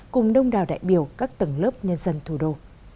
cùng đông đào đại biểu các tầng lớp nhân dân thủ đô